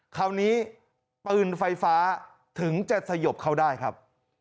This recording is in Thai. คราวนี้ปืนไฟฟ้าถึงจะสยบเขาได้ครับ